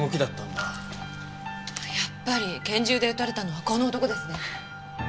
やっぱり拳銃で撃たれたのはこの男ですね。